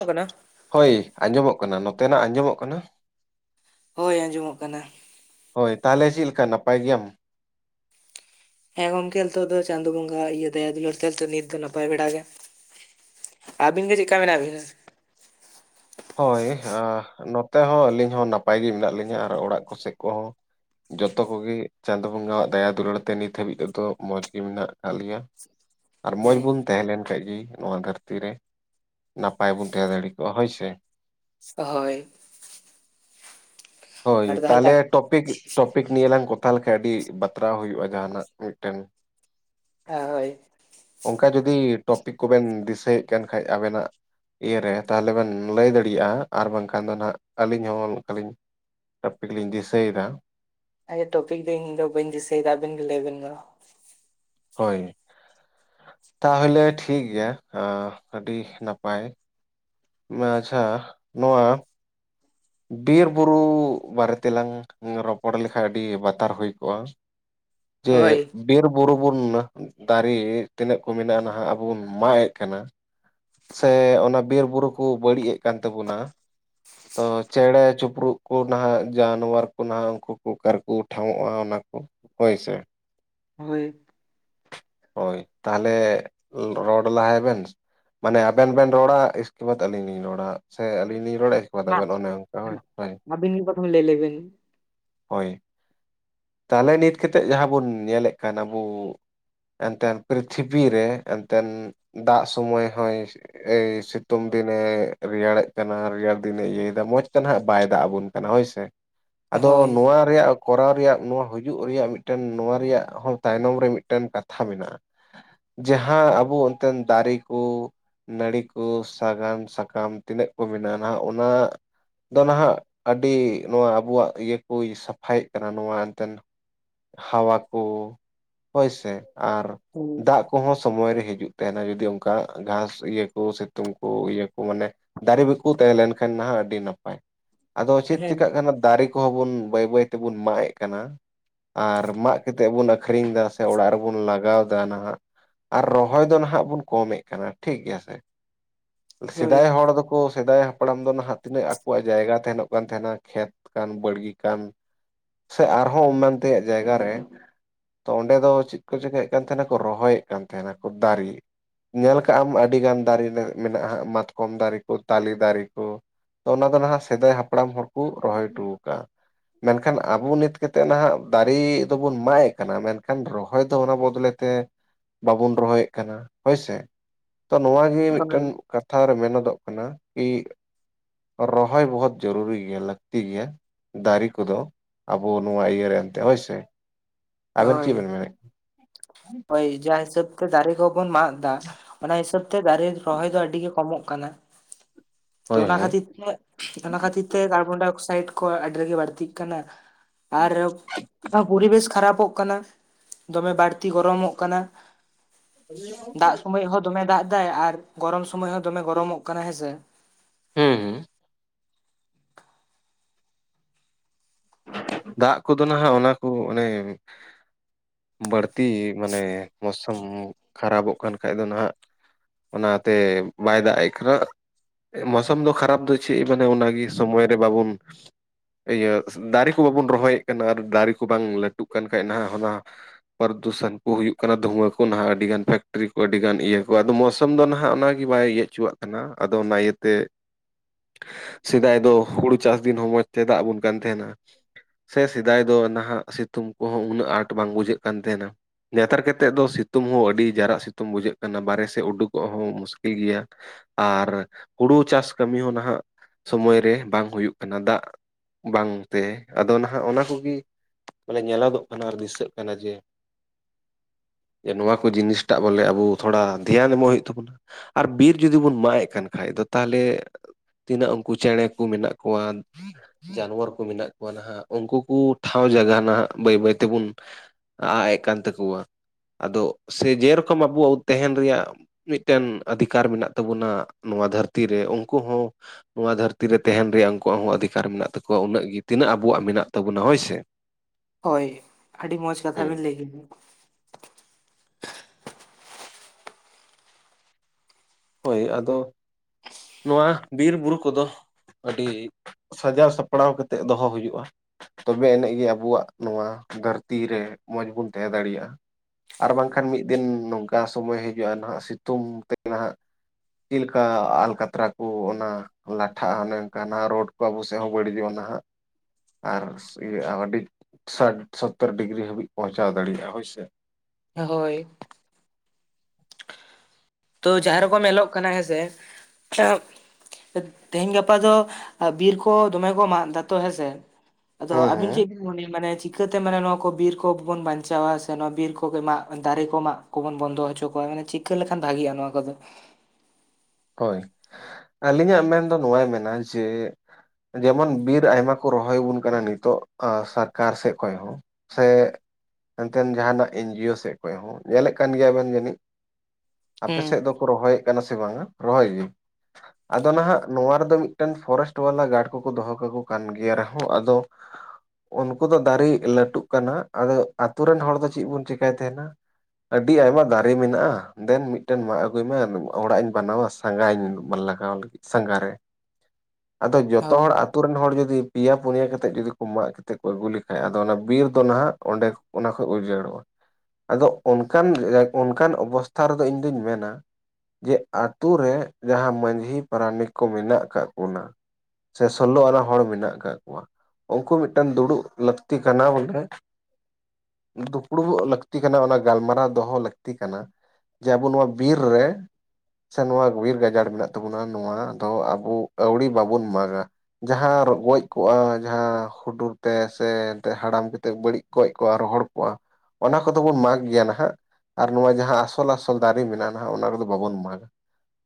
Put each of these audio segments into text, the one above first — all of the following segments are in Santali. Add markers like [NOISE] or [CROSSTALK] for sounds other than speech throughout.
[UNINTELLIGIBLE] ᱠᱟᱱᱟ? ᱦᱳᱭ ᱟᱸᱡᱚᱢᱚᱜ ᱠᱟᱱᱟ, ᱱᱚᱛᱮᱱᱟᱜ ᱟᱸᱡᱚᱢᱚᱜ ᱠᱟᱱᱟ? ᱦᱳᱭ ᱟᱸᱡᱚᱢᱚᱜ ᱠᱟᱱᱟ᱾ ᱦᱳᱭ ᱛᱟᱦᱚᱞᱮ ᱪᱮᱫ ᱞᱮᱠᱟ ᱱᱟᱯᱟᱭ ᱜᱮᱭᱟᱢ? ᱦᱮᱸ ᱜᱚᱝᱠᱮ ᱱᱤᱛᱚᱜ ᱫᱚ ᱪᱟᱸᱫᱳ ᱵᱚᱸᱜᱟᱭᱟᱜ ᱤᱭᱟᱹ ᱫᱟᱭᱟ ᱫᱩᱞᱟᱹᱲ ᱛᱮ ᱱᱤᱛ ᱫᱚ ᱱᱟᱯᱟᱭ ᱵᱮᱲᱟ ᱜᱮ᱾ ᱟᱹᱵᱤᱱ ᱜᱮ ᱪᱮᱫ ᱠᱟ ᱢᱮᱱᱟᱜ ᱵᱤᱱᱟᱹ? ᱦᱳᱭ ᱚᱸ ᱱᱚᱛᱮ ᱦᱚᱸ ᱟᱹᱞᱤᱧ ᱦᱚᱸ ᱱᱟᱯᱟᱭ ᱜᱮ ᱢᱮᱱᱟᱜ ᱞᱤᱧᱟ ᱟᱨ ᱚᱲᱟᱜ ᱠᱚᱥᱮᱫ ᱠᱚᱦᱚᱸ ᱡᱚᱛᱚ ᱠᱚᱜᱮ ᱪᱟᱸᱫᱚ ᱵᱚᱸᱜᱟᱣᱟᱜ ᱫᱟᱭᱟ ᱫᱩᱞᱟᱹᱲ ᱛᱮ ᱱᱤᱛ ᱦᱟᱹᱵᱤᱡ ᱛᱚ ᱢᱚᱸᱡᱽ ᱜᱮ ᱢᱮᱱᱟᱜ ᱟᱠᱟᱫ ᱞᱮᱧᱟ᱾ [INAUDIBLE] ᱟᱨ ᱢᱚᱡᱽ ᱦᱮᱸ ᱵᱚᱱ ᱛᱟᱦᱮᱸ ᱞᱮᱱ ᱠᱷᱟᱡ ᱜᱮ ᱱᱚᱣᱟ ᱫᱷᱟᱹᱨᱛᱤ ᱨᱮ ᱱᱟᱯᱟᱭ ᱵᱚᱱ ᱛᱟᱦᱮᱸ ᱫᱟᱲᱮ ᱠᱚᱜᱼᱟ ᱦᱳᱭ ᱥᱮ᱾ ᱦᱳᱭ᱾ ᱦᱳᱭ ᱛᱟᱦᱚᱞᱮ ᱴᱚᱯᱤᱠ ᱴᱚᱯᱤᱠ ᱱᱤᱭᱟ ᱞᱟᱝ ᱜᱚ ᱛᱟᱦᱚᱞᱮ ᱠᱷᱟᱡ ᱟᱹᱰᱤ ᱵᱟᱛᱨᱟᱣ ᱦᱩᱭᱩᱜᱼᱟ ᱡᱟᱦᱟᱱᱟᱜ ᱢᱤᱫᱴᱮᱱ᱾ ᱦᱮᱸ ᱦᱳᱭ᱾ ᱚᱝᱠᱟ ᱡᱩᱫᱤ ᱴᱚᱯᱤᱠ ᱠᱚᱵᱮᱱ ᱫᱤᱥᱟᱹᱭᱮᱫ ᱠᱟᱱ ᱠᱷᱟᱡ ᱟᱵᱮᱱᱟᱜ ᱤᱭᱟᱹ ᱨᱮ ᱛᱟᱦᱚᱞᱮ ᱵᱮᱱ ᱞᱟᱹᱭ ᱫᱟᱲᱮ [UNINTELLIGIBLE] ᱟᱨ ᱵᱟᱝᱠᱷᱟᱱ ᱫᱚ ᱱᱟᱦᱟᱜ ᱟᱹᱞᱤᱧ ᱦᱚᱸ ᱚᱱᱠᱟᱞᱤᱧ ᱴᱚᱯᱤᱠ ᱞᱤᱧ ᱫᱤᱥᱟᱹᱭᱮᱫᱟ ᱦᱟᱸᱜ ᱾ ᱟᱪᱪᱷᱟ ᱴᱚᱯᱤᱠ ᱫᱚ ᱤᱧ ᱫᱚ ᱵᱟᱹᱧ ᱫᱤᱥᱟᱹᱭᱫᱟ ᱟᱵᱮᱱ ᱜᱮ ᱞᱟᱹᱭᱵᱮᱱ ᱢᱟ ᱾ ᱦᱳᱭ, ᱛᱟᱦᱚᱞᱮ ᱴᱷᱤᱠ ᱜᱮᱭᱟ ᱚ ᱟᱹᱰᱤ ᱱᱟᱯᱟᱭ‌ ᱾ ᱟᱪᱪᱷᱟ, ᱱᱚᱣᱟ ᱵᱤᱨ ᱵᱩᱨᱩ ᱵᱟᱨᱮᱛᱮᱞᱟᱝ ᱨᱚᱯᱚᱲ ᱞᱮᱠᱷᱟᱡ ᱟᱹᱰᱤ ᱵᱟᱛᱟᱨ ᱦᱩᱭ ᱠᱚᱜᱼᱟ᱾ [INAUDIBLE] ᱡᱮ ᱵᱤᱨ ᱵᱩᱨᱩ ᱵᱩᱱ ᱫᱟᱨᱮ ᱛᱤᱱᱟᱹᱜ ᱠᱚ ᱢᱮᱱᱟᱜᱼᱟ ᱱᱟᱦᱟᱜ ᱟᱵᱚ ᱵᱚᱱ ᱢᱟᱜ ᱮᱜ ᱠᱟᱱᱟ᱾ ᱥᱮ ᱚᱱᱟ ᱵᱤᱨ ᱵᱩᱨᱩ ᱠᱚ ᱵᱟᱹᱲᱤᱜ ᱮᱜ ᱠᱟᱱ ᱛᱟᱵᱚᱱᱟ, ᱛᱚ ᱪᱮᱬᱮ ᱪᱩᱯᱨᱩᱫ ᱠᱚ ᱱᱟᱦᱟᱜ ᱡᱟᱱᱚᱣᱟᱨ ᱠᱚ ᱱᱟᱦᱟᱜ ᱩᱱᱠᱩ ᱠᱚ ᱚᱠᱟᱨᱮ ᱠᱚ ᱴᱷᱟᱶᱚᱜᱼᱟ ᱚᱱᱟ ᱠᱚ ᱦᱳᱭ ᱥᱮ ᱾ ᱦᱳᱭ᱾ ᱦᱳᱭ, ᱛᱟᱦᱚᱞᱮ ᱨᱚᱲ ᱞᱟᱦᱟᱭ ᱵᱮᱱ ᱾ ᱢᱟᱱᱮ ᱟᱵᱮᱱ ᱵᱮᱱ ᱨᱚᱲᱟ ᱤᱥᱠᱮ ᱵᱟᱫᱽ ᱟᱞᱤᱧ ᱞᱤᱧ ᱨᱚᱲᱟ ᱥᱮ ᱟᱞᱤᱧ ᱞᱤᱧ ᱨᱚᱲᱟ ᱵᱟᱫᱽ ᱟᱵᱮᱱ ᱚᱱᱮ ᱚᱱᱠᱟ ᱦᱳᱭ ᱦᱳᱭ [INAUDIBLE] ᱟᱵᱤᱱ ᱜᱤ ᱯᱨᱚᱛᱚᱢ ᱞᱟᱹᱭ ᱞᱮᱵᱮᱱ ᱾ ᱦᱳᱭ ᱛᱟᱦᱚᱞᱮ ᱱᱤᱛ ᱠᱟᱛᱮᱜ ᱡᱟᱦᱟᱸ ᱵᱚᱱ ᱧᱮᱞᱮᱜ ᱠᱟᱱ ᱟᱵᱩ ᱮᱱᱛᱮᱱ ᱯᱨᱤᱛᱷᱤᱵᱤ ᱨᱮ ᱮᱱᱛᱮᱱ ᱫᱟᱜ ᱥᱚᱢᱚᱭ ᱦᱚᱸᱭ ᱮ ᱥᱤᱛᱩᱝ ᱫᱤᱱᱮ ᱨᱮᱭᱟᱲᱮᱫ ᱠᱟᱱᱟ, ᱨᱮᱭᱟᱲ ᱫᱤᱱᱮ ᱤᱭᱟᱹᱭᱮᱫᱟ ᱢᱚᱸᱡᱽ ᱛᱮ ᱱᱟᱦᱟᱸᱜ ᱵᱟᱭ ᱫᱟᱜ ᱟᱵᱚᱱ ᱠᱟᱱᱟ ᱦᱳᱭ ᱥᱮ ᱾ ᱟᱫᱚ ᱦᱳᱭ ᱱᱚᱣᱟ ᱨᱮᱭᱟᱜ ᱠᱚᱨᱟᱣ ᱨᱮᱭᱟᱜ ᱱᱚᱣᱟ ᱦᱤᱡᱩᱜ ᱨᱮᱭᱟᱜ ᱢᱤᱫᱴᱮᱱ ᱱᱚᱣᱟ ᱨᱮᱭᱟᱜ ᱦᱚᱸ ᱛᱟᱭᱱᱚᱢ ᱨᱮ ᱢᱤᱫᱴᱮᱱ ᱠᱟᱛᱷᱟ ᱢᱮᱱᱟᱜᱼᱟ ᱾ ᱡᱟᱦᱟᱸ ᱟᱵᱳ ᱚᱱᱛᱮᱱ ᱫᱟᱨᱮ ᱠᱳ ᱱᱟᱹᱲᱤ ᱠᱳ ᱥᱟᱜᱟᱢ ᱥᱟᱠᱟᱢ ᱛᱤᱱᱟᱹᱜ ᱠᱚ ᱢᱮᱱᱟᱜᱼᱟ ᱱᱟᱦᱟᱸᱜ ᱳᱱᱟ ᱫᱚ ᱱᱟᱦᱟᱸᱜ ᱟᱹᱰᱤ ᱱᱚᱣᱟ ᱟᱵᱚᱣᱟᱜ ᱤᱭᱟᱹ ᱠᱚ ᱥᱟᱯᱷᱟᱭᱮᱜ ᱠᱟᱱᱟ ᱱᱚᱣᱟ ᱛᱮᱱ ᱦᱟᱣᱟ ᱠᱳ ᱦᱳᱭ ᱥᱮ ᱟᱨ ᱫᱟᱜ ᱠ ᱠᱚᱦᱚᱸ ᱥᱚᱢᱚᱭ ᱨᱮ ᱦᱤᱡᱩᱜ ᱛᱟᱦᱮᱱᱟ ᱡᱩᱫᱤ ᱚᱝᱠᱟ ᱜᱷᱟᱸᱥ ᱤᱭᱟᱹ ᱠᱚ ᱥᱤᱛᱩᱝ ᱠᱚ ᱤᱭᱟᱹ ᱠᱚ ᱢᱟᱱᱮ ᱫᱟᱨᱮ ᱵᱟᱠᱩ ᱛᱟᱦᱮᱸ ᱞᱮᱱᱠᱷᱟᱱ ᱱᱟᱦᱟᱜ ᱟᱹᱰᱤ ᱱᱟᱯᱟᱭ ᱾ ᱟᱫᱚ ᱪᱮᱫ ᱦᱮᱸ ᱪᱮᱤᱠᱟᱹᱜ ᱠᱟᱱᱟ ᱫᱟᱨᱮ ᱠᱚᱦᱚᱸ ᱵᱚᱱ ᱵᱟᱹᱭ ᱵᱟᱹᱭ ᱛᱮᱵᱚᱱ ᱢᱟᱜ ᱮ ᱠᱟᱱᱟ ᱟᱨ ᱢᱟᱜ ᱠᱟᱛᱮᱫ ᱵᱚᱱ ᱟᱹᱷᱨᱤᱧᱫᱟ ᱥᱮ ᱚᱲᱟᱜ ᱨᱮᱵᱚᱱ ᱞᱟᱜᱟᱣᱫᱟ ᱱᱟᱦᱟᱸᱜ ᱾ ᱟᱨ ᱨᱚᱦᱚᱭ ᱫᱚ ᱱᱟᱦᱟᱸᱜ ᱵᱚᱱ ᱠᱚᱢ ᱮ ᱠᱟᱱᱟ ᱴᱷᱤᱠ ᱜᱮᱭᱟ ᱥᱮ ᱾ [UNINTELLIGIBLE] ᱥᱮᱫᱟᱭ ᱦᱚᱲ ᱫᱚ ᱠᱚ ᱥᱮᱫᱟᱭ ᱦᱟᱯᱲᱟᱢ ᱫᱚ ᱱᱟᱦᱟᱸᱜ ᱛᱤᱱᱟᱹᱜ ᱟᱠᱚᱣᱟᱜ ᱡᱟᱭᱜᱟ ᱛᱟᱦᱮᱱᱚᱜ ᱠᱟᱱ ᱛᱟᱦᱮᱱᱟ ᱠᱷᱮᱛ ᱠᱟᱱ ᱵᱟᱲᱜᱮ ᱠᱟᱱ ᱾ ᱥᱮ ᱟᱨᱦᱚᱸ ᱮᱢᱟᱱ ᱛᱮᱭᱟᱜ ᱡᱟᱭᱜᱟ ᱨᱮ, ᱛᱚ ᱚᱸᱰᱮ ᱫᱚ ᱪᱮᱫ ᱠᱚ ᱪᱮᱤᱠᱟᱹᱜ ᱠᱟᱱ ᱛᱟᱦᱮᱱᱟ ᱠᱚ ᱨᱚᱦᱚᱭᱮᱫ ᱠᱟᱱ ᱛᱟᱦᱮᱱᱟᱠᱚ ᱫᱟᱨᱮ ᱾ ᱧᱮᱞ ᱠᱟᱜ ᱟᱢ ᱟᱹᱰᱤᱜᱟᱱ ᱫᱟᱨᱮ ᱱᱟᱜ ᱢᱮᱱᱟᱜᱼᱟ ᱾ ᱢᱟᱛᱠᱚᱢ ᱫᱟᱨᱮ ᱠᱚ ᱛᱟᱞᱮ ᱫᱟᱨᱮ ᱠᱚ ᱛᱚ ᱚᱱᱟ ᱫᱚ ᱱᱟᱦᱟᱸᱜ ᱥᱮᱫᱟᱭ ᱦᱟᱯᱲᱟᱢ ᱦᱚᱲ ᱠᱚ ᱨᱚᱦᱚᱭ ᱦᱚᱴᱚ ᱠᱟᱜᱼᱟ ᱢᱮᱱᱠᱷᱟᱱ ᱟᱵᱚ ᱱᱤᱛ ᱠᱟᱛᱮᱫ ᱱᱟᱦᱟᱜ ᱫᱟᱨᱮ ᱫᱚᱵᱚᱱ ᱢᱟᱜ ᱮᱜ ᱠᱟᱱᱟ ᱢᱮᱱᱠᱷᱟᱱ ᱨᱚᱦᱚᱭ ᱫᱚ ᱚᱱᱟ ᱵᱚᱫᱞᱮ ᱛᱮ ᱵᱟᱵᱚᱱ ᱨᱚᱦᱚᱭᱮᱜ ᱠᱟᱱᱟ ᱦᱳᱭᱥᱮ ᱛᱚ ᱱᱚᱣᱟᱜᱮ ᱢᱤᱫᱴᱮᱱ ᱾ ᱠᱟᱛᱷᱟᱨᱮ ᱢᱮᱱᱚᱫᱚᱜ ᱠᱟᱱᱟ ᱠᱤ ᱨᱚᱦᱚᱭ ᱵᱚᱦᱚᱛ ᱡᱚᱨᱩᱨᱤ ᱜᱮᱭᱟ ᱞᱟᱹᱠᱛᱤ ᱜᱮᱭᱟ ᱫᱟᱨᱮ ᱠᱚᱫᱚ ᱾ ᱟᱵᱚ ᱱᱚᱣᱟ ᱤᱭᱟᱹ ᱨᱮ ᱮᱱᱛᱮᱫ ᱦᱳᱭ ᱥᱮ ᱟᱵᱮᱱ ᱦᱳᱭ ᱪᱮᱫ ᱵᱮᱱ ᱢᱮᱱᱮ? ᱦᱳᱭ ᱡᱟ ᱦᱤᱥᱟᱹᱵ ᱛᱮ ᱫᱟᱨᱮ ᱠᱚ, ᱵᱚᱱ ᱢᱟᱜ ᱫᱟ ᱚᱱᱟ ᱦᱤᱥᱟᱹᱵ ᱛᱮ ᱫᱟᱨᱮ ᱨᱚᱦᱚᱭ ᱫᱚ ᱟᱹᱰᱤ ᱜᱮ ᱠᱚᱢᱚᱜ ᱠᱟᱱᱟ ᱾ ᱛᱚ ᱦᱳᱭ ᱚᱱᱟ ᱦᱳᱭ ᱠᱷᱟᱹᱛᱤᱨ ᱛᱮ ᱚᱱᱟ ᱠᱷᱟᱹᱛᱤᱨ ᱛᱮ ᱠᱟᱨᱵᱚᱱᱰᱟᱭ ᱚᱠᱥᱟᱭᱤᱰ ᱠᱚ ᱟᱹᱰᱤ ᱨᱟᱜᱤ ᱵᱟᱹᱲᱛᱤᱜ ᱠᱟᱱᱟ ᱾ ᱟᱨ ᱯᱩᱨᱤᱵᱮᱥ ᱠᱷᱟᱨᱟᱯᱚᱜ ᱠᱟᱱᱟ ᱫᱚᱢᱮ ᱵᱟᱹᱲᱛᱤ ᱜᱚᱨᱚᱢᱚᱜ ᱠᱟᱱᱟ ᱾ [INAUDIBLE] ᱥᱚᱢᱚᱭ ᱦᱚᱸ ᱫᱚᱢᱮ ᱫᱟᱜ ᱫᱟᱭ ᱟᱨ ᱜᱚᱨᱚᱢ ᱥᱳᱢᱳᱭ ᱦᱚᱸ ᱫᱚᱢᱮ ᱜᱚᱨᱚᱢᱚᱜ ᱠᱟᱱᱟ ᱦᱮᱸᱥᱮ? ᱦᱩᱸᱻ ᱫᱟᱜ ᱠᱚ ᱫᱚ ᱱᱟᱦᱟᱸᱜ ᱚᱱᱟ ᱠᱚ ᱚᱱᱮ ᱵᱟᱹᱲᱛᱤ ᱢᱟᱱᱮ ᱢᱳᱥᱚᱢ ᱠᱷᱟᱨᱟᱯᱚᱜ ᱠᱟᱱ ᱠᱷᱟᱡ ᱫᱚ ᱱᱟᱦᱟᱸᱜ ᱚᱱᱟ ᱛᱮ ᱵᱟᱭ ᱫᱟᱜ ᱮ ᱠᱟᱱᱟ ᱾ ᱢᱳᱥᱚᱢ ᱫᱚ ᱠᱷᱟᱨᱟᱯ ᱫᱚ ᱪᱮᱫ ᱢᱟᱱᱮ ᱚᱱᱟ ᱜᱮ ᱥᱚᱢᱚᱭ ᱨᱮ ᱵᱟᱵᱚᱱ ᱤᱭᱟᱹ ᱫᱟᱨᱮ ᱠᱚ ᱵᱟᱵᱚᱱ ᱨᱚᱦᱚᱭᱮᱜ ᱠᱟᱱᱟ ᱟᱨ ᱫᱟᱨᱮ ᱠᱚ ᱵᱟᱝ ᱞᱟᱹᱴᱩᱜ ᱠᱟᱱ ᱠᱷᱟᱡ ᱱᱟᱦᱟᱸᱜ ᱚᱱᱟ ᱯᱟᱹᱨᱫᱩᱥᱚᱱ ᱠᱚ ᱦᱩᱭᱩᱜ ᱠᱟᱱᱟ ᱫᱷᱩᱣᱟᱹ ᱠᱚ ᱱᱟᱦᱟᱜ ᱟᱹᱰᱤᱜᱟᱱ ᱯᱷᱮᱠᱴᱨᱤ ᱠᱚ ᱟᱹᱰᱤ ᱜᱟᱱ ᱤᱭᱟᱹ ᱠᱚ ᱟᱫᱚ ᱢᱚᱸᱡᱚᱥᱼᱼ ᱛᱚᱢ ᱫᱚ ᱱᱟᱦᱟᱸᱜ ᱚᱱᱟᱜ ᱜᱮ ᱵᱟᱭ ᱤᱭᱟᱹ ᱚᱪᱚᱣᱟᱜ ᱠᱟᱱᱟ ᱟᱫᱚ ᱚᱱᱟ ᱤᱭᱟᱹᱛᱮ [UNINTELLIGIBLE] ᱥᱮᱫᱟᱭ ᱫᱚ ᱦᱩᱲᱩ ᱪᱟᱥ ᱫᱤᱱᱦᱚᱸ ᱢᱚᱸᱡᱽ ᱛᱮ ᱫᱟᱜ ᱵᱚᱱ ᱠᱟᱱ ᱛᱟᱦᱮᱱᱟ ᱾ ᱥᱮ ᱥᱮᱫᱟᱭ ᱫᱚ ᱱᱟᱦᱟᱸᱜ ᱥᱤᱛᱩᱝ ᱠᱚ ᱦᱚᱸ ᱩᱱᱟᱹᱜ ᱟᱸᱴ ᱵᱟᱝ ᱵᱩᱡᱷᱟᱹᱜ ᱠᱟᱱ ᱛᱟᱦᱮᱱᱟ ᱾ ᱱᱮᱛᱟᱨ ᱠᱟᱛᱮ ᱫᱚ ᱥᱤᱛᱩᱝ ᱦᱚᱸ ᱟᱹᱰᱤ ᱡᱟᱨᱟᱜ ᱥᱤᱛᱩᱝ ᱵᱩᱡᱷᱟᱹᱜ ᱠᱟᱱᱟ ᱵᱟᱦᱨᱮ ᱥᱮᱫ ᱩᱰᱩᱠᱚᱜ ᱦᱚᱸ ᱢᱩᱥᱠᱤᱞ ᱜᱮᱭᱟ᱾ ᱟᱨ ᱦᱩᱲᱩ ᱪᱟᱥ ᱠᱟᱹᱢᱤ ᱦᱚᱸ ᱱᱟᱦᱟᱸᱜ ᱥᱳᱢᱳᱭ ᱨᱮ ᱵᱟᱝ ᱦᱩᱭᱩᱜ ᱠᱟᱱᱟ ᱫᱟᱜ ᱵᱟᱝ ᱛᱮ ᱟᱫᱚ ᱱᱟᱦᱟᱸᱜ ᱚᱱᱟ ᱠᱚᱜᱤ ᱢᱟᱱᱮ ᱧᱮᱞᱮᱫᱚᱜ ᱠᱟᱱᱟ ᱫᱤᱥᱟᱹᱜ ᱠᱟᱱᱟ ᱡᱮ ᱡᱮ ᱱᱚᱣᱟ ᱠᱚ ᱡᱤᱱᱤᱥᱴᱟᱜ ᱵᱚᱞᱮ ᱟᱵᱚ ᱛᱷᱚᱲᱟ ᱫᱷᱮᱭᱟᱱ ᱮᱢᱚᱜ ᱦᱳᱭᱳᱜ ᱛᱟᱵᱚᱱᱟ᱾ ᱟᱨ ᱵᱤᱨ ᱡᱩᱫᱤ ᱵᱚᱱ ᱢᱟᱜ ᱮᱜ ᱠᱟᱱ ᱠᱷᱟᱡ ᱫᱚ ᱛᱟᱦᱚᱞᱮᱼᱼᱼ ᱛᱤᱱᱟᱹᱜ ᱩᱱᱠᱩ ᱪᱮᱬᱮ ᱠᱚ ᱢᱮᱱᱟᱜ ᱠᱚᱣᱟ ᱾ ᱡᱟᱱᱣᱚᱨ ᱠᱩ ᱢᱮᱱᱟᱜ ᱠᱚᱣᱟ ᱱᱟᱦᱟᱜ ᱩᱱᱠᱩ ᱠᱩ ᱴᱷᱟᱶ ᱡᱟᱜᱟ ᱱᱟᱦᱟᱜ ᱵᱟᱹᱭ ᱵᱟᱹᱭ ᱛᱮᱵᱚᱱ ᱟ ᱮᱠᱟᱨ ᱛᱮᱠᱩ ᱟᱫᱚ ᱥᱮ ᱡᱮᱨᱚᱠᱚᱢ ᱟᱵᱩ ᱛᱮᱦᱮᱱ ᱨᱮᱭᱟᱜ ᱢᱤᱫᱴᱮᱱ ᱟᱹᱫᱷᱤᱠᱟᱨ ᱢᱮᱱᱟᱜ ᱛᱟᱵᱚᱱᱟ ᱱᱚᱣᱟ ᱫᱷᱟᱹᱨᱛᱤ ᱨᱮ ᱩᱱᱠᱩ ᱦᱚᱸ ᱱᱚᱣᱟ ᱫᱷᱟᱹᱨᱛᱤ ᱨᱮ ᱛᱮᱦᱮᱱ ᱨᱮᱭᱟᱜ ᱩᱱᱠᱩᱣᱟᱜ ᱦᱚᱸ ᱚᱫᱷᱤᱠᱟᱨ ᱢᱮᱱᱟᱜ ᱛᱟᱠᱚᱣᱟ ᱩᱱᱟᱹᱜ ᱜᱤ ᱛᱤᱱᱟᱹᱜ ᱟᱵᱚᱣᱟᱜ ᱢᱮᱱᱟᱜ ᱛᱟᱵᱚᱱᱟ ᱦᱳᱭ ᱥᱮ᱾ ᱦᱳᱭ ᱟᱹᱰᱤ ᱢᱚᱸᱡᱽ ᱠᱟᱛᱷᱟ ᱦᱩᱸ ᱵᱤᱱ ᱞᱟᱹᱭ ᱠᱮᱜ ᱦᱳᱭ ᱟᱫᱚ ᱱᱚᱣᱟ ᱵᱤᱨ ᱵᱩᱨᱩ ᱠᱚᱫᱚ ᱟᱹᱰᱤ ᱥᱟᱡᱟᱣ ᱥᱟᱯᱲᱟᱣ ᱠᱟᱛᱮᱜ ᱫᱚᱦᱚ ᱦᱩᱭᱩᱜᱼᱟ᱾ ᱛᱚᱵᱮ ᱟᱹᱱᱮᱡ ᱜᱮ ᱟᱵᱚᱣᱟᱜ ᱱᱚᱣᱟ ᱫᱷᱟᱹᱨᱛᱤ ᱨᱮ ᱢᱚᱸᱡᱽ ᱵᱩᱱ ᱛᱮᱦᱮ ᱫᱟᱲᱮᱭᱟᱜ-ᱟ᱾ ᱟᱨ ᱵᱟᱝᱠᱷᱟᱱ ᱢᱤᱫ ᱫᱤᱱ ᱱᱚᱝᱠᱟ ᱥᱚᱢᱚᱭ ᱦᱤᱡᱩᱜ-ᱟ ᱱᱟᱦᱟᱜ ᱥᱤᱛᱩᱝ ᱛᱮ ᱱᱟᱦᱟᱜ ᱪᱤ ᱞᱮᱠᱟ ᱟᱞᱠᱟᱛᱨᱟ ᱠᱩ ᱚᱱᱟ ᱵᱚᱝᱜᱟ ᱴᱦᱟ ᱦᱟᱱᱮ ᱦᱟᱱᱠᱟᱱᱟᱜ ᱨᱳᱰ ᱠᱚ ᱟᱵᱩ ᱥᱮᱜ ᱦᱚᱸ ᱵᱟᱹᱲᱤᱡᱚᱜ-ᱟ ᱱᱟᱦᱟᱜ᱾ ᱟᱨ ᱥᱤᱭᱟᱹ ᱟᱨ ᱟᱹᱰᱤ ᱥᱟᱴ ᱥᱳᱛᱛᱚᱨ ᱰᱤᱜᱽᱨᱤ ᱦᱟᱹᱵᱤᱡ ᱯᱚᱦᱪᱷᱟᱣ ᱫᱟᱲᱤᱭᱟᱜ-ᱟ ᱦᱳᱭᱥᱮ᱾ ᱦᱳᱭ ᱛᱚ ᱡᱟᱦᱟᱸ ᱨᱮᱠᱚ ᱢᱮᱞᱚᱜ ᱠᱟᱱᱟ ᱦᱮᱸᱥᱮ ᱛᱮᱦᱮᱧ ᱜᱟᱯᱟ ᱫᱚ ᱵᱤᱨ ᱠᱚ ᱦᱚ ᱫᱚᱢᱮ ᱠᱚ ᱢᱟᱜ ᱮᱫᱟ ᱛᱚ ᱦᱮᱸᱥᱮ ᱟᱫᱚ ᱦᱩᱸ ᱟᱵᱤᱱ ᱦᱩᱸ ᱪᱮᱜ ᱵᱤᱨ ᱢᱟᱱᱮ ᱪᱤᱠᱟᱹᱛᱮ ᱢᱟᱱᱮ ᱱᱚᱣᱟ ᱠᱚ ᱵᱤᱨ ᱠᱚᱵᱚᱱ ᱵᱟᱧᱪᱟᱣᱟ ᱥᱮ ᱱᱚᱣᱟ ᱵᱤᱨ ᱠᱚ ᱜᱮ ᱢᱟᱜ, ᱫᱟᱨᱮ ᱠᱚ ᱢᱟᱜ ᱠᱚᱵᱚᱱ ᱵᱚᱱᱫᱚ ᱦᱚᱪᱚ ᱠᱚᱣᱟ ᱢᱟᱱᱮ ᱪᱤᱠᱟᱹ ᱞᱮᱠᱷᱟᱱ ᱵᱷᱟᱜᱤᱜ-ᱟ ᱱᱚᱣᱟ ᱠᱚᱫᱚ? ᱦᱳᱭ ᱟᱹᱞᱤᱧᱟᱜ ᱢᱮᱱ ᱫᱚ ᱱᱚᱣᱟᱭ ᱢᱮᱱᱟ ᱡᱮ ᱡᱮᱢᱚᱱ ᱵᱤᱨ ᱟᱭᱢᱟ ᱠᱚ ᱨᱚᱦᱚᱭ ᱟᱵᱚᱱ ᱠᱟᱱᱟ ᱱᱤᱛᱚᱜ ᱟ ᱥᱟᱨᱠᱟᱨ ᱥᱮᱜ ᱠᱷᱚᱡ ᱦᱚᱸ ᱥᱮ ᱮᱱᱛᱮᱱ ᱡᱟᱦᱟᱱᱟᱜ ᱮᱱᱡᱤᱭᱳ ᱥᱮᱜ ᱠᱷᱚᱡ ᱦᱚᱸ ᱧᱮᱞᱮᱜ ᱠᱟᱱ ᱜᱮᱭᱟᱵᱤᱱ ᱡᱟᱹᱱᱤᱡ᱾ ᱟᱯᱮ ᱦᱩᱸ ᱥᱮᱜ ᱫᱚᱠᱚ ᱨᱚᱦᱚᱭᱮᱜ ᱠᱟᱱᱟ ᱥᱮ ᱵᱟᱝ-ᱟ? ᱨᱚᱦᱚᱭ ᱜᱤ᱾ ᱟᱫᱚ ᱱᱟᱦᱟᱜ ᱱᱚᱣᱟ ᱨᱮᱫᱚ ᱢᱤᱫᱴᱮᱱ ᱯᱷᱚᱨᱮᱥᱴ ᱵᱟᱞᱟ ᱜᱟᱨᱰ ᱠᱚᱠᱚ ᱫᱚᱦᱚᱸ ᱠᱟᱠᱚ ᱠᱟᱱ ᱜᱮᱭᱟ ᱨᱮᱦᱚᱸ ᱟᱫᱚ ᱩᱱᱠᱩ ᱫᱚ ᱫᱟᱨᱮ ᱞᱟᱹᱴᱩᱜ ᱠᱟᱱᱟ ᱟᱫᱚ ᱟᱛᱩ ᱨᱮᱱ ᱦᱚᱲ ᱫᱚ ᱪᱤᱜ ᱵᱩᱱ ᱪᱮᱠᱟᱭ ᱛᱮᱦᱮᱱᱟ? ᱟᱹᱰᱤ ᱟᱭᱢᱟ ᱫᱟᱨᱮ ᱢᱮᱱᱟᱜ-ᱟ ᱫᱮᱱ ᱢᱤᱫᱴᱮᱱ ᱢᱟᱜ ᱟᱹᱜᱩᱭ ᱢᱮ ᱚᱲᱟᱜ ᱤᱧ ᱵᱮᱱᱟᱣᱟ᱾ ᱥᱟᱸᱜᱟᱜ ᱤᱧ ᱞᱟᱜᱟᱣᱟ ᱥᱟᱹᱝᱜᱟ ᱨᱮ ᱟᱫᱚ ᱡᱚᱛᱚ ᱦᱳᱭ ᱦᱚᱲ ᱟᱛ ᱛᱩ ᱨᱮᱱ ᱦᱚᱲ ᱡᱩᱫᱤ ᱯᱮᱭᱟ ᱯᱩᱱᱭᱟᱹ ᱠᱟᱛᱮᱜ ᱡᱩᱫᱤ ᱠᱚ ᱢᱟᱜ ᱤᱫᱤ ᱛᱮᱠᱚ ᱟᱹᱜᱩ ᱞᱮᱠᱷᱟᱡ ᱟᱫᱚ ᱚᱱᱟ ᱵᱤᱨ ᱫᱚ ᱱᱟᱦᱟᱜ ᱚᱸᱰᱮ ᱚᱱᱟ ᱠᱷᱚᱡ ᱩᱡᱟᱹᱲᱚᱜ-ᱟ᱾ ᱟᱫᱚ ᱚᱱᱠᱟᱱ ᱚᱱᱠᱟᱱ ᱚᱵᱚᱥᱛᱷᱟ ᱨᱮᱫᱚ ᱤᱧ ᱫᱩᱧ ᱢᱮᱱᱟ ᱡᱮ ᱟ ᱛᱩ ᱨᱮ ᱡᱟᱦᱟᱸ ᱢᱟᱺᱡᱷᱤ ᱯᱟᱨᱟᱱᱤ ᱠᱚ ᱢᱮᱱᱟᱜ ᱠᱟᱜ ᱵᱚᱱᱟ ᱥᱮ ᱥᱳᱞᱳ ᱟᱱᱟ ᱦᱚᱲ ᱢᱮᱱᱟᱜ ᱠᱟᱜ ᱠᱚᱣᱟ᱾ ᱩᱱᱠᱩ ᱢᱤᱫᱴᱮᱱ ᱫᱩᱲᱩᱵ ᱞᱟᱹᱠᱛᱤ ᱠᱟᱱᱟ ᱵᱚᱞᱮ᱾ ᱫᱩᱯᱲᱩ ᱵᱚᱜ ᱞᱟᱹᱠᱛᱤ ᱠᱟᱱᱟ ᱚᱱᱟ ᱜᱟᱞᱢᱟᱨᱟᱣ ᱫᱚᱦᱚᱸ ᱞᱟᱹᱠᱛᱤ ᱠᱟᱱᱟ᱾ ᱡᱮ ᱟᱵᱚ ᱱᱚᱣᱟ ᱵᱤᱨ ᱨᱮ ᱥᱮ ᱱᱚᱣᱟ ᱵᱤᱨ ᱜᱟᱡᱟᱲ ᱢᱮᱱᱟᱜ ᱛᱟᱵᱩᱱᱟ ᱱᱚᱣᱟ ᱫᱚ ᱟᱵᱩ ᱟᱹᱣᱲᱤ ᱵᱟᱵᱚᱱ ᱢᱟᱜᱟ᱾ ᱡᱟᱦᱟᱸ ᱨᱚᱠᱚᱡ ᱠᱚᱜ-ᱟ ᱡᱟᱦᱟᱸ ᱦᱩᱰᱩᱨ ᱛᱮ ᱥᱮ ᱛᱮ ᱦᱟᱲᱟᱢ ᱠᱟᱛᱮᱜ ᱵᱟᱹᱲᱤᱡ ᱜᱚᱡ ᱠᱚᱜ-ᱟ ᱨᱚᱦᱚᱲ ᱠᱚᱜ-ᱟ ᱚᱱᱟ ᱠᱚᱫᱚ ᱵᱚᱱ ᱢᱟᱜᱽ ᱜᱮᱭᱟ ᱱᱟᱦᱟᱜ ᱟᱨ ᱱᱚᱣᱟ ᱡᱟᱦᱟᱸ ᱟᱥᱚᱞ ᱟᱥᱚᱞ ᱫᱟᱨᱮ ᱢᱮᱱᱟᱜ-ᱟ ᱱᱟᱦᱟᱜ ᱚᱱᱟ ᱠᱚᱫᱚ ᱵᱟᱵᱚᱱ ᱢᱟᱜᱟ᱾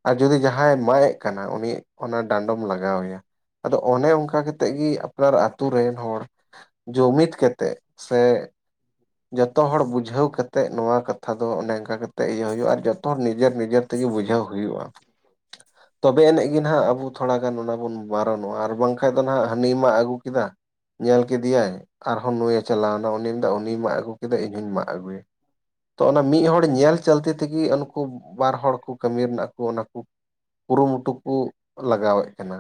ᱟᱨ ᱡᱩᱫᱤ ᱡᱟᱦᱟᱸᱭ ᱢᱟᱜᱽ ᱮᱜ ᱠᱟᱱᱟ ᱩᱱᱤ ᱚᱱᱟ ᱰᱟᱸᱰᱚᱢ ᱞᱟᱜᱟᱣ ᱮᱭᱟ ᱟᱫᱚ ᱚᱱᱮ ᱚᱱᱠᱟ ᱠᱟᱛ ᱛᱮᱜ ᱜᱤ ᱟᱯᱱᱟᱨ ᱟᱛᱩ ᱨᱮᱱ ᱦᱚᱲ ᱡᱩᱢᱤᱫ ᱠᱟᱛᱮᱜ ᱥᱮ ᱡᱚᱛᱚ ᱦᱚᱲ ᱵᱩᱡᱷᱟᱹᱣ ᱠᱟᱛᱮᱜ ᱱᱚᱣᱟ ᱠᱟᱛ ᱛᱷᱟ ᱫᱚ ᱚᱱᱮ ᱚᱱᱠᱟ ᱠᱟᱛᱮᱜ ᱤᱭᱟᱹ ᱦᱩᱭᱩᱜ-ᱟ ᱟᱨ ᱡᱚᱛᱚ ᱦᱚᱲ ᱱᱤᱡᱮᱨ ᱱᱤᱡᱮᱨ ᱛᱮᱜᱮ ᱵᱩᱡᱷᱟᱹᱣ ᱦᱩᱭᱩᱜ-ᱟ᱾ ᱛᱚᱵᱮ ᱟᱹᱱᱤᱡ ᱜᱮ ᱱᱟᱜ ᱟᱵᱚ ᱛᱷᱚᱲᱟ ᱜᱟᱱ ᱚᱱᱟ ᱵᱚᱱ ᱵᱟᱨᱚᱱᱚᱜ-ᱟ ᱟᱨ ᱵᱟᱝᱠᱷᱟᱡ ᱫᱚ ᱱᱟᱦᱟᱜ ᱦᱟᱹᱱᱤ ᱢᱟᱜᱽ ᱟᱹᱜᱩ ᱠᱮᱫᱟ ᱧᱮᱞ ᱠᱮᱫᱤᱭᱟᱭ ᱟᱨᱦᱚᱸ ᱱᱩᱭᱮ ᱪᱟᱞᱟᱣ ᱱᱟ᱾ ᱩᱱᱤ ᱫᱚ ᱩᱱᱤ ᱢᱟᱜᱽ ᱟᱹᱜᱩ ᱠᱮᱫᱟ ᱤᱧ ᱦᱩᱧ ᱢᱟᱜᱽ ᱟᱜᱩᱭᱟ᱾ ᱛᱚ ᱚᱱᱟ ᱢᱤᱫ ᱦᱚᱲ ᱧᱮᱞ ᱪᱟᱞᱛᱤ ᱛᱤᱜᱤ ᱩᱱᱠᱩ ᱵᱟᱨ ᱦᱚᱲ ᱠᱩ ᱠᱟᱹᱢᱤ ᱨᱮᱱᱟᱜᱼᱼᱼ ᱚᱱᱟ ᱠᱤ ᱠᱩᱨᱩᱢᱩᱴᱩ ᱠᱩ ᱞᱟᱜᱟᱣᱮᱜ ᱠᱟᱱᱟ,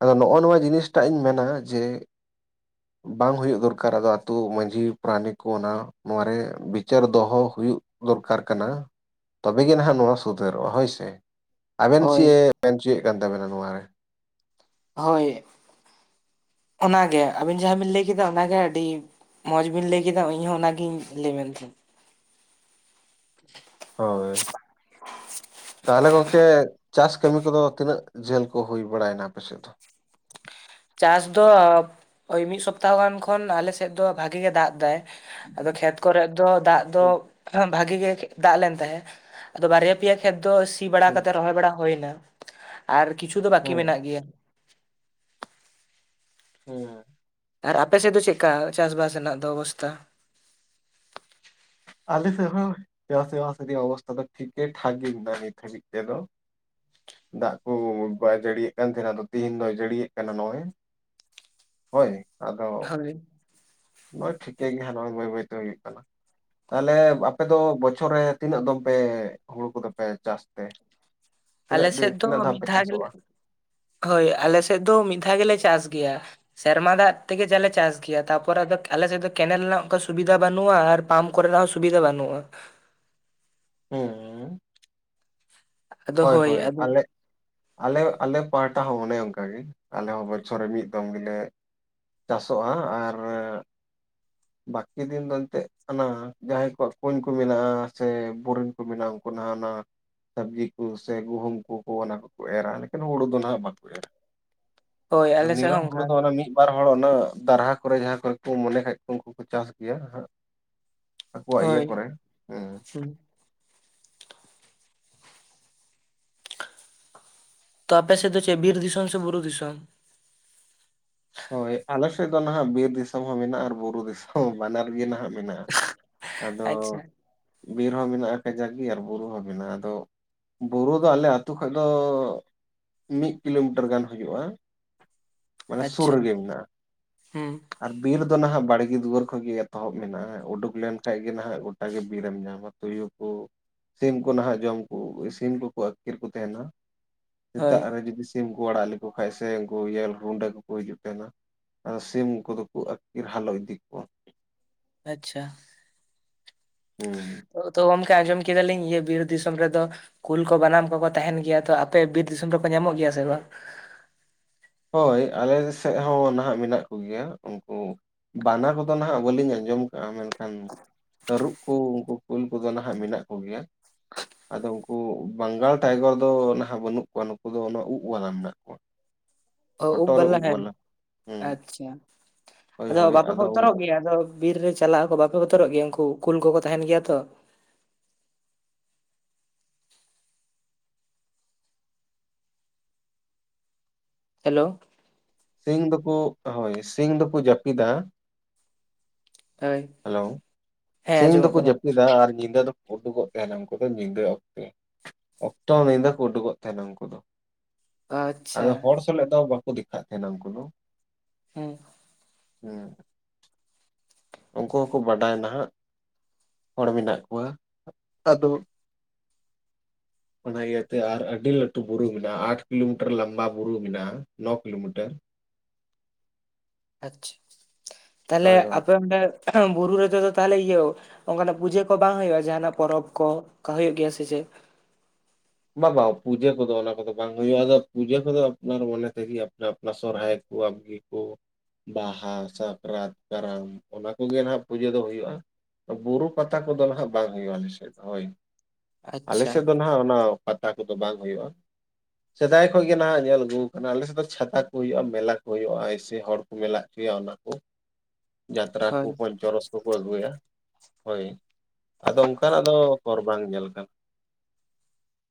ᱟᱫᱚ ᱱᱚᱜᱼᱚ ᱱᱚᱣᱟ ᱡᱤᱱᱤᱥ ᱴᱟᱜ ᱤᱧ ᱢᱮᱱᱟ ᱡᱮ ᱵᱟᱝ ᱦᱩᱭᱩᱜ ᱫᱚᱨᱠᱟᱨ᱾ ᱟᱫᱚ ᱟᱛᱳ ᱢᱟᱺᱡᱷᱤ ᱯᱟᱨᱟᱱᱤᱠ ᱠᱚ ᱚᱱᱟ ᱱᱚᱣᱟ ᱨᱮ ᱵᱤᱪᱟᱹᱨ ᱫᱚᱦᱚ ᱦᱩᱭᱩᱜ ᱫᱚᱨᱠᱟᱨ ᱠᱟᱱᱟ᱾ ᱛᱚᱵᱮ ᱜᱮ ᱱᱟᱦᱟᱜ ᱱᱚᱣᱟ, ᱥᱩᱫᱷᱟᱹᱨᱚᱜᱼᱟ᱾ ᱦᱳᱭ ᱥᱮ᱾ ᱟᱵᱮᱱ ᱦᱳᱭ ᱪᱮᱫ ᱢᱮᱱᱪᱚᱭᱮᱫ ᱠᱟᱱ ᱛᱟᱵᱮᱱᱟ ᱱᱚᱣᱟ ᱨᱮ? ᱦᱳᱭ ᱚᱱᱟᱜᱮ, ᱟᱹᱵᱤᱱ ᱡᱟᱦᱟᱸ ᱵᱤᱱ ᱞᱟᱹᱭ ᱠᱮᱫᱟ ᱚᱱᱟᱜᱮ ᱟᱹᱰᱤ ᱢᱚᱸᱡᱽ ᱵᱤᱱ ᱞᱟᱹᱭ ᱠᱮᱫᱟ᱾ ᱤᱧ ᱦᱚᱸ ᱚᱱᱟᱜᱤᱧ ᱞᱟᱹᱭ ᱢᱮᱱ ᱛᱮ᱾ [INAUDIBLE] ᱦᱳᱭ᱾ ᱛᱟᱦᱚᱞᱮ ᱜᱚᱝᱠᱮ ᱪᱟᱥ ᱠᱟᱹᱢᱤ ᱠᱚᱫᱚ ᱛᱤᱱᱟᱹᱜ ᱡᱷᱟᱹᱞ ᱠᱚ ᱦᱩᱭ ᱵᱟᱲᱟᱭᱱᱟ ᱟᱯᱮ ᱥᱮᱫ ᱫᱚ? ᱪᱟᱥ ᱫᱚ ᱳᱭ ᱢᱤᱫ ᱥᱚᱯᱛᱟᱦᱚ ᱜᱟᱱ ᱠᱷᱚᱱ ᱟᱞᱮᱥᱮᱫ ᱫᱚ ᱵᱷᱟᱜᱤ ᱜᱮ ᱫᱟᱜ ᱫᱟᱭ᱾ ᱟᱫᱚ ᱠᱷᱮᱛ ᱠᱚᱨᱮ ᱫᱚ ᱫᱟᱜ ᱫᱚ ᱦᱩᱸ ᱵᱷᱟᱜᱤ ᱜᱮ ᱫᱟᱜ ᱞᱮᱱ ᱛᱟᱦᱮᱸᱫ, ᱟᱫᱚ ᱵᱟᱨᱭᱟ ᱯᱤᱭᱟ ᱠᱷᱮᱛ ᱫᱚ ᱥᱤ ᱵᱟᱲᱟ ᱦᱩᱸ ᱠᱟᱛᱮᱫ ᱨᱚᱦᱚᱭ ᱵᱟᱲᱟ ᱦᱳᱭ ᱱᱟ᱾ ᱟᱨ ᱠᱤᱪᱷᱩ ᱫᱚ ᱵᱟᱠᱤ ᱦᱩᱸ ᱢᱮᱱᱟᱜ ᱜᱮᱭᱟ᱾ ᱦᱩᱸ᱾ ᱟᱨ ᱟᱯᱮ ᱥᱮᱫ ᱫᱚ ᱪᱮᱜᱠᱟ ᱪᱟᱥᱵᱟᱥ ᱨᱮᱱᱟᱜ ᱫᱚ ᱚᱵᱚᱥᱛᱟ? ᱟᱞ ᱥᱮᱫ ᱦᱚᱸ ᱪᱟᱥ ᱵᱟᱥ [UNINTELLIGIBLE] ᱚᱵᱚᱥᱛᱷᱟ ᱫᱚ ᱴᱷᱤᱠ ᱜᱮ ᱴᱦᱟᱠ ᱜᱮ ᱢᱮᱱᱟᱜ ᱱᱤᱛ ᱦᱟᱹᱵᱤᱡ ᱛᱮ ᱫᱚ᱾ ᱫᱟᱜ ᱠᱩ ᱵᱟᱭ ᱡᱟᱹᱲᱤᱭᱮᱫ ᱠᱟᱱ ᱛᱟᱦᱮᱱᱟ, ᱟᱫᱚ ᱛᱮᱦᱮᱧ ᱫᱚᱭ ᱡᱟᱹᱲᱤᱭᱮᱫ ᱠᱟᱱᱟ ᱱᱚᱜᱼᱚᱭ᱾ ᱦᱳᱭ ᱟᱫᱚ ᱦᱳᱭ᱾ ᱱᱚᱜᱼᱚᱭ ᱴᱷᱤᱠᱟᱹ ᱜᱮ ᱦᱟᱸᱜ ᱱᱚᱜᱼᱚᱭ ᱵᱟᱹᱭ ᱵᱟᱹᱭᱛᱮ ᱦᱩᱭᱩᱜ ᱠᱟᱱᱟ᱾ ᱛᱟᱦᱚᱞᱮ ᱟᱯᱮ ᱫᱚ ᱵᱚᱪᱷᱚᱨ ᱨᱮ ᱛᱤᱱᱟᱹᱜ ᱫᱚᱢ ᱯᱮ ᱦᱩᱲᱩ ᱠᱚᱫᱚ ᱯᱮ ᱪᱟᱥ ᱛᱮ? ᱟᱞᱮ ᱛᱤᱱᱟᱹᱜ ᱫᱤᱱ ᱥᱮᱫ ᱫᱚ ᱛᱤᱱᱟᱹᱜ ᱫᱷᱟᱣ ᱢᱤᱫ ᱯᱮ ᱫᱷᱟ ᱜᱮᱞᱮ, ᱪᱟᱥᱚᱜᱼᱟ? ᱦᱳᱭ ᱟᱞᱮ ᱥᱮᱫ ᱫᱚ ᱢᱤᱫ ᱫᱷᱟ ᱜᱮᱞᱮ ᱪᱟᱥ ᱜᱮᱭᱟ᱾ ᱥᱮᱨᱢᱟ ᱫᱟᱜ ᱛᱮᱜᱮ ᱡᱮ ᱞᱮ ᱪᱟᱥ ᱜᱮᱭᱟ, ᱛᱟᱯᱚᱨ ᱟᱫᱚ ᱟᱞᱮᱥᱮᱫ ᱫᱚ ᱠᱮᱱᱮᱞ ᱨᱮᱱᱟᱜ ᱚᱱᱠᱟ ᱥᱩᱵᱤᱫᱷᱟ ᱵᱟᱹᱱᱩᱜᱼᱟ ᱟᱨ ᱯᱟᱢᱯ ᱠᱚᱨᱮᱱᱟᱜ ᱦᱚᱸ ᱥᱩᱵᱤᱫᱷᱟ ᱵᱟᱹᱱᱩᱜᱼᱟ᱾ ᱦᱩᱸ᱾ ᱟᱫᱚ ᱦᱳᱭ ᱦᱳᱭ ᱟᱫᱚ ᱟᱞᱮ ᱟᱞᱮ-ᱟᱞᱮ ᱯᱟᱦᱴᱟ ᱦᱚᱸ ᱚᱱᱮ ᱚᱱᱠᱟᱟᱜᱮ᱾ ᱟᱞᱮ ᱦᱚᱸ ᱵᱚᱪᱷᱚᱨ ᱨᱮ ᱢᱤᱫ ᱫᱚᱢ ᱜᱮᱞᱮ ᱪᱟᱥᱚᱜᱼᱟ ᱟᱨᱻ᱾ [INAUDIBLE] ᱵᱟᱹᱠᱤ ᱫᱤᱱ ᱫᱚ ᱮᱱᱛᱮᱫ ᱟᱱᱟ ᱡᱟᱦᱟᱸᱭ ᱠᱚᱣᱟᱜ ᱠᱩᱧ ᱠᱚ, ᱢᱮᱱᱟᱜᱼᱟ᱾ ᱥᱮ ᱵᱳᱨᱤᱱ ᱠᱚ ᱢᱮᱱᱟᱜᱼᱟ ᱩᱱᱠᱩ ᱱᱟᱦ ᱚᱱᱟ ᱥᱟᱹᱵᱽᱡᱤ ᱠᱩ ᱥᱮ ᱜᱩᱦᱩᱢ ᱠᱚᱠᱚ ᱚᱱᱟ ᱠᱚᱠᱚ ᱮᱨᱟ ᱞᱮᱠᱟᱱ ᱦᱩᱲᱩ ᱫᱚ ᱱᱟᱦᱟᱸᱜ ᱵᱟᱠᱚ ᱮᱨᱟ᱾ ᱦᱳᱭ ᱟᱞᱮ ᱥᱮᱫ ᱱᱤᱨᱚᱱ ᱦᱚᱸ ᱦᱳᱲᱳ ᱚᱱᱠᱟ ᱫᱚ ᱜᱮ ᱚᱱᱮ ᱢᱤᱫ ᱵᱟᱨ ᱦᱚᱲ ᱚᱱᱟ ᱫᱟᱨᱦᱟ ᱠᱚᱨᱮ ᱡᱟᱦᱟᱸ ᱠᱚᱨᱮ ᱠᱚ ᱢᱚᱱᱮ ᱠᱷᱟᱡ ᱠᱚ ᱩᱱᱠᱩ ᱠᱚ ᱪᱟᱥ ᱜᱮᱭᱟ ᱦᱟᱸᱜ᱾ ᱟᱠᱚᱣᱟᱜ ᱤᱭᱟᱹ ᱦᱳᱭ ᱠᱚᱨᱮ, ᱦᱩᱸ᱾ ᱛᱚ ᱟᱯᱮ ᱥᱮᱫ ᱫᱚ ᱪᱮᱫ ᱵᱤᱨ ᱫᱤᱥᱚᱢ ᱥᱮ ᱵᱩᱨᱩ ᱫᱤᱥᱚᱢ? ᱦᱳᱭ ᱟᱞᱮ ᱥᱮᱫ ᱫᱚ ᱱᱟᱦᱟᱜ ᱵᱤᱨ ᱫᱤᱥᱚᱢ ᱦᱚᱸ ᱢᱮᱱᱟᱜᱼᱟ, ᱟᱨ ᱵᱩᱨᱩ ᱫᱤᱥᱚᱢ ᱵᱟᱱᱟᱨ ᱜᱮ ᱱᱟᱦᱟᱜ ᱢᱮᱱᱟᱜᱼᱟ᱾ ᱟᱫᱚ ᱟᱪᱪᱷᱟ ᱵᱤᱨ ᱦᱚᱸ ᱢᱮᱱᱟᱜᱼᱟ᱾ ᱠᱟᱡᱟᱠ ᱜᱮ ᱟᱨ ᱵᱩᱨᱩ ᱦᱚᱸ ᱢᱮᱱᱟᱜᱼᱟ᱾ ᱟᱫᱚ ᱵᱩᱨᱩ ᱫᱚ ᱟᱞᱮ ᱟ ᱟᱹᱛᱩ ᱠᱷᱚᱸᱡ ᱫᱚ ᱢᱤᱫ ᱠᱤᱞᱳᱢᱤᱴᱟᱨ ᱜᱟᱱ ᱦᱩᱭᱩᱜᱼᱟ᱾ ᱢᱟᱱᱮ ᱥᱩᱨ ᱟᱪᱪᱷᱟ ᱨᱮᱜᱮ ᱢᱮᱱᱟᱜ-ᱟ᱾ ᱦᱩᱸ ᱟᱨ ᱵᱤᱨ ᱫᱚ ᱱᱟᱦᱟᱜ ᱵᱟᱲᱜᱮ ᱫᱩᱣᱟᱹᱨ ᱠᱷᱚᱸᱡ ᱜᱮ ᱮᱛᱚᱦᱚᱵ ᱢᱮᱱᱟᱜᱼᱟ, ᱩᱰᱩᱠ ᱞᱮᱱ ᱠᱷᱟᱱ ᱜᱮ ᱱᱟᱦᱟᱜ ᱜᱚᱴᱟ ᱜᱮ ᱵᱤᱨᱮᱢ ᱧᱟᱢᱟ᱾ ᱛᱩᱭᱩ ᱠᱚ [INAUDIBLE] ᱥᱤᱢ ᱠᱚ ᱱᱟᱦᱟᱜ ᱡᱚᱢ ᱠᱩ, ᱥᱤᱢ ᱠᱚᱠᱚ ᱟᱹᱛᱠᱤᱨ ᱠᱚ ᱛᱟᱦᱮᱱᱟ᱾ ᱦᱳᱭ ᱥᱮᱛᱟᱜ ᱨᱮ ᱡᱩᱫᱤ ᱥᱤᱢ ᱠᱚ ᱟᱲᱟᱜ ᱞᱮᱠᱚ ᱠᱷᱟᱡ ᱥᱮ ᱩᱱᱠᱩ ᱤᱭᱮᱞ ᱦᱩᱸᱰᱟᱹ ᱠᱚ ᱠᱚ ᱦᱤᱡᱩᱜ ᱛᱟᱦᱮᱱᱟ, ᱟᱫᱚ ᱥᱤᱢ ᱠᱚᱫᱚ ᱠᱚ ᱟᱹᱛᱠᱤᱨ ᱦᱟᱞᱚ ᱤᱫᱤ ᱠᱚᱣᱟ᱾ ᱟᱪᱪᱷᱟ᱾ ᱦᱩᱸ᱾ ᱛᱚ ᱜᱚᱢᱠᱮ ᱟᱸᱡᱚᱢ ᱠᱮᱫᱟᱞᱤᱧ ᱤᱭᱟᱹ ᱵᱤᱨ ᱫᱤᱥᱚᱢ ᱨᱮᱫᱚ ᱠᱩᱞ ᱠᱚ ᱵᱟᱱᱟᱢ ᱠᱚᱠᱚ ᱛᱟᱦᱮᱱ ᱜᱮᱭᱟ, ᱛᱚ ᱟᱯᱮ ᱵᱤᱨ ᱫᱤᱥᱚᱢ ᱨᱮᱠᱚ ᱧᱟᱢᱚᱜ ᱜᱮᱭᱟ ᱥᱮ ᱵᱟᱝ? ᱦᱳᱭ ᱟᱞᱮ ᱥᱮᱫ ᱦᱚᱸ ᱱᱟᱦᱟᱜ ᱢᱮᱱᱟᱜ ᱠᱚ ᱜᱮᱭᱟ ᱩᱱᱠᱩ ᱵᱟᱱᱟ ᱠᱚᱫᱚ ᱱᱟᱦᱟᱜ ᱵᱟᱹᱞᱤᱧ ᱟᱸᱡᱚᱢ ᱠᱟᱜᱼᱟ ᱢᱮᱱᱠᱷᱟᱱ ᱛᱟᱹᱨᱩᱵ ᱠᱚ ᱩᱱᱠᱩ ᱠᱩᱞ ᱠᱚᱫᱚ ᱱᱟᱦᱟᱜ ᱢᱮᱱᱟᱜ ᱠᱚᱜᱮᱭᱟ᱾ ᱟᱫᱚ ᱩᱱᱠᱩ ᱵᱟᱝᱜᱟᱞ ᱴᱟᱭᱜᱚᱨ ᱫᱚ ᱱᱟᱦᱟᱜ ᱵᱟᱹᱱᱩᱜ ᱠᱚᱣᱟ ᱱᱩᱠᱩ ᱫᱚ ᱚᱱᱟ ᱩᱵ ᱵᱟᱞᱟ ᱢᱮᱱᱟᱜ ᱠᱚᱣᱟ᱾ ᱚ ᱩᱵ ᱦᱚᱴᱚᱜ ᱨᱮ ᱵᱚᱞᱟ ᱦᱮᱱ ᱵᱟᱞᱟ ᱦᱩᱸ ᱟᱪᱪᱷᱟ, ᱦᱳᱭ ᱟᱫᱚ ᱦᱳᱭ ᱵᱟᱯᱮ ᱵᱚᱛᱚᱨᱚᱜ ᱜᱮᱭᱟ ᱟᱫᱚ ᱵᱤᱨ ᱨᱮ ᱪᱟᱞᱟᱜᱼᱟ ᱠᱚ ᱵᱟᱯᱮ ᱵᱚᱛᱚᱨᱚᱜ ᱜᱮᱭᱟ ᱩᱱᱠᱩ ᱠᱩᱞ ᱠᱚᱠᱚ ᱛᱟᱦᱮᱱ ᱜᱮᱭᱟ ᱛᱚ? ᱦᱮᱞᱳ᱾ ᱥᱤᱧ ᱫᱚᱠᱚ ᱦᱳᱭ ᱥᱤᱧ ᱫᱚᱠᱚ ᱡᱟᱹᱯᱤᱫᱟ ᱦᱳᱭ ᱦᱮᱞᱳ, ᱦᱮᱸ ᱥᱤᱧ ᱟᱸᱡᱚᱢᱚᱜ ᱫᱚᱠᱚ ᱠᱟᱱᱟ ᱡᱟᱹᱯᱤᱫᱟ ᱟᱨ ᱧᱤᱫᱟᱹ ᱫᱚᱠᱚ ᱩᱰᱩᱠᱚᱜ ᱛᱟᱦᱮᱱᱟ ᱩᱱᱠᱩ ᱫᱚ ᱧᱤᱫᱟᱹ ᱚᱠᱛᱮ᱾ ᱚᱠᱛᱚ ᱱᱤᱫᱟᱹ ᱠᱚ ᱩᱰᱩᱠᱚᱜ ᱛᱟᱦᱮᱱᱟ ᱩᱱᱠᱩ ᱫᱚ᱾ ᱟᱪᱪᱷᱟ ᱟᱫᱚ ᱦᱚᱲ ᱥᱟᱞᱟᱜ ᱫᱚ ᱵᱟᱠᱚ ᱫᱮᱠᱷᱟᱜ ᱛᱟᱦᱮᱱᱟ ᱩᱱᱠᱩ ᱫᱚ᱾ ᱦᱮᱸ᱾ ᱦᱩᱸ᱾ ᱩᱱᱠᱩ ᱦᱚᱸᱠᱚ ᱵᱟᱰᱟᱭᱟ ᱱᱟᱦᱟᱜ᱾ ᱦᱚᱲ ᱢᱮᱱᱟᱜ ᱠᱚᱣᱟ, ᱟᱫᱚ [INAUDIBLE] ᱚᱱᱟ ᱤᱭᱟᱹᱛᱮ ᱟᱨ ᱟᱹᱰᱤ ᱞᱟᱹᱴᱩ ᱵᱩᱨᱩ ᱢᱮᱱᱟᱜᱼᱟ ᱟᱴ ᱠᱤᱞᱳᱢᱤᱴᱟᱨ ᱞᱚᱢᱵᱟ ᱵᱩᱨᱩ ᱢᱮᱱᱟᱜᱼᱟ, ᱱᱚ ᱠᱤᱞᱳᱢᱤᱴᱟᱨ᱾ ᱟᱪᱪᱷᱟ, ᱛᱟᱦᱚᱞᱮ ᱦᱳᱭ ᱦᱳᱭ ᱟᱯᱮ ᱚᱸᱰᱮ ᱵᱩᱨᱩ ᱨᱮᱫᱚ ᱫᱚ ᱛᱟᱦᱚᱞᱮ ᱤᱭᱟᱹ ᱚᱱᱠᱟᱱᱟᱜ ᱯᱩᱡᱟᱹ ᱠᱚ ᱵᱟᱝ ᱦᱩᱭᱩᱜᱼᱟ ᱡᱟᱦᱟᱱᱟᱜ ᱯᱚᱨᱚᱵᱽ ᱠᱚ, ᱠᱟ ᱦᱩᱭᱩᱜ ᱜᱮᱭᱟ ᱥᱮ ᱪᱮᱫ? ᱵᱟ ᱵᱟ ᱯᱩᱡᱟᱹ ᱠᱚᱫᱚ ᱚᱱᱟ ᱠᱚᱫᱚ ᱵᱟ ᱵᱟ ᱦᱩᱭᱩᱜᱼᱟ ᱟᱫᱚ ᱯᱩᱡᱟᱹ ᱠᱚᱫᱚ ᱟᱯᱱᱟᱨ ᱢᱚᱱᱮ ᱛᱮᱜᱮ ᱟᱯᱱᱟ ᱟᱯᱱᱟ ᱥᱚᱨᱦᱟᱭ ᱠᱚ ᱟᱵᱜᱮ ᱠᱚ ᱵᱟᱦᱟ, ᱥᱟᱠᱨᱟᱛ, ᱠᱟᱨᱟᱢ ᱚᱱᱟ ᱠᱚᱜᱮ ᱱᱟᱦᱟᱜ ᱯᱩᱡᱟᱹ ᱫᱚ ᱦᱩᱭᱩᱜᱼᱟ᱾ ᱵᱩᱨᱩ ᱯᱟᱛᱟ ᱠᱚᱫᱚ ᱱᱟᱦᱟᱜ ᱵᱟᱝ ᱦᱩᱭᱩᱜᱼᱟ ᱟᱞᱮ ᱥᱮᱫ ᱫᱚ ᱦᱳᱭ, ᱟᱞᱮ ᱟᱪᱪᱷᱟ ᱥᱮᱫ ᱫᱚ ᱱᱟᱦᱟᱜ ᱚᱱᱟ ᱯᱟᱛᱟ ᱠᱚᱫᱚ ᱵᱟᱝ ᱦᱩᱭᱩᱜᱼᱟ᱾ ᱥᱮᱫᱟᱭ ᱠᱷᱚᱡ ᱜᱮ ᱱᱟᱦᱟᱜ ᱧᱮᱞ ᱟᱹᱜᱩ ᱠᱟᱱᱟ ᱟᱞᱮ ᱥᱮᱫ ᱫᱚ ᱪᱷᱟᱛᱟ ᱠᱚ ᱦᱩᱭᱩᱜᱼᱟ ᱢᱮᱞᱟ ᱠᱚ ᱦᱩᱭᱩᱜᱼᱟ ᱮᱭᱥᱮ ᱦᱚᱲ ᱢᱮᱞᱟᱜ ᱪᱚᱭᱟ ᱚᱱᱟ ᱠᱚ᱾ [INAUDIBLE] ᱡᱟᱛᱨᱟ ᱠᱚ ᱦᱳᱭ ᱯᱚᱧᱪᱚᱨᱚᱥ ᱠᱚᱠᱚ ᱟᱹᱜᱩᱭᱟ ᱦᱳᱭ, ᱟᱫᱚ ᱚᱱᱠᱟᱱᱟᱜ ᱫᱚ ᱦᱚᱨ ᱵᱟᱝ ᱧᱮᱞᱟᱠᱟᱱᱟ᱾